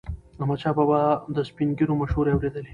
احمدشاه بابا به د سپین ږیرو مشورې اورېدلي.